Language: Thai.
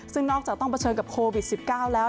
ซึ่งนอกจากต้องเผชิญกับโควิด๑๙แล้ว